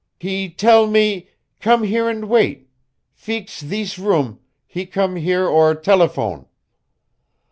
"He tell me come here and wait feex thees room he come here or telephone."